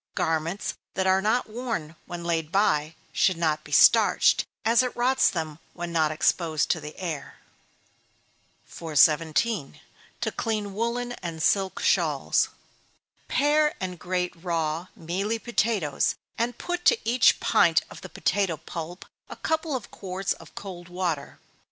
Garments that are not worn, when laid by, should not be starched, as it rots them when not exposed to the air. 417. To clean Woollen and Silk Shawls. Pare and grate raw, mealy potatoes, and put to each pint of the potato pulp a couple of quarts of cold water.